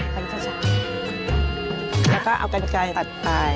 แล้วก็เอากันใจตัดไป